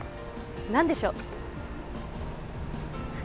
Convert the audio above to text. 何でしょう？